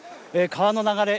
川の流れ